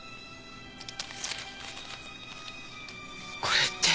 これって。